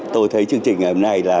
tôi thấy chương trình ngày hôm nay là